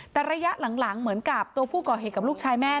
แต่ระยะหลังเหมือนกับตัวผู้ก่อเหตุกับลูกชายแม่